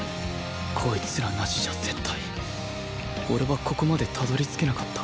こいつらなしじゃ絶対俺はここまでたどり着けなかった